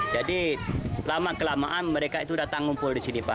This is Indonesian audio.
jadi lama kelamaan mereka itu datang ngumpul disini pak